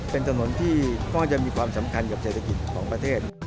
เป็นถนนที่ก็จะมีความสำคัญกับเศรษฐกิจของประเทศ